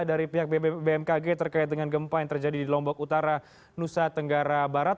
dari pihak bmkg terkait dengan gempa yang terjadi di lombok utara nusa tenggara barat